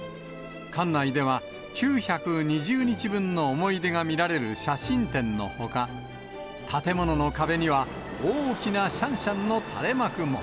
館内では９２０日分の思い出が見られる写真展のほか、建物の壁には、大きなシャンシャンの垂れ幕も。